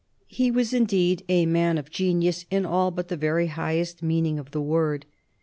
He was indeed a man of genius in all but the very highest meaning of the word.